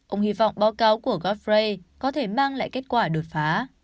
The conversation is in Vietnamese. ông hy vọng báo cáo của gaffray có thể mang lại kết quả đột phá